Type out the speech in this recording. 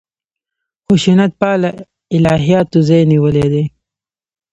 خشونت پاله الهیاتو ځای نیولی دی.